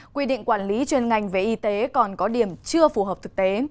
quy định quản lý chuyên ngành về y tế còn có điểm chưa phù hợp thực tế